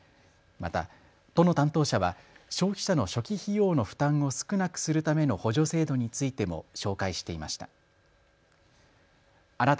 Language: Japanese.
また都の担当者は消費者の初期費用の負担を少なくするための補助制度についても紹介していました。